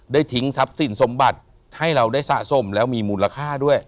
ทิ้งทรัพย์สินสมบัติให้เราได้สะสมแล้วมีมูลค่าด้วย